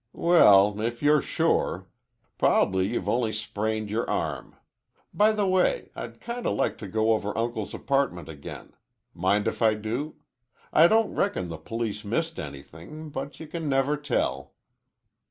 "Well, if you're sure. Prob'ly you've only sprained your arm. By the way, I'd kinda like to go over Uncle's apartment again. Mind if I do? I don't reckon the police missed anything, but you can never tell."